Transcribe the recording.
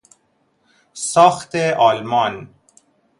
ساخت آلمان